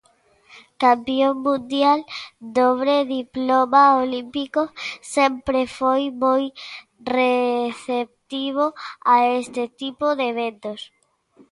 Campión mundial, dobre diploma olímpico, sempre foi moi receptivo a este tipo de eventos.